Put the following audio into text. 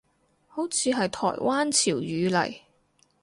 好似係台灣潮語嚟